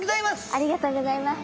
ありがとうございます。